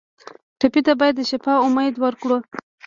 ټپي ته باید د شفا امید ورکړو.